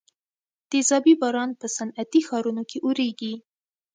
تیزابي باران په صنعتي ښارونو کې اوریږي.